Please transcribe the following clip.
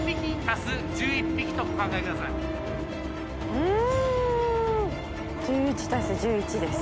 うん。